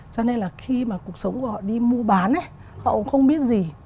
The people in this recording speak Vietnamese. cho nên là khi mà cuộc sống của họ đi mua bán ấy họ cũng không biết gì